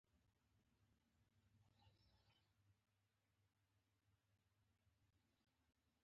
روښانفکر په هر پړاو کې کړنې راسپړي